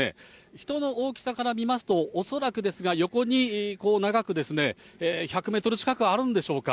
人の大きさから見ますと、恐らくですが、横に長く１００メートル近くあるんでしょうか。